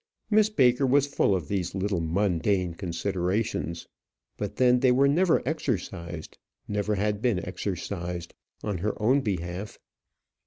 Miss Baker was full of these little mundane considerations; but then they were never exercised, never had been exercised, on her own behalf.